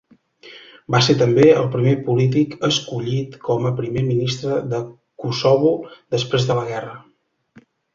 Va ser també el primer polític escollit com a Primer Ministre de Kosovo després de la guerra.